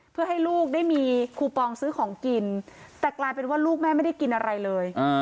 เพื่อให้ลูกได้มีคูปองซื้อของกินแต่กลายเป็นว่าลูกแม่ไม่ได้กินอะไรเลย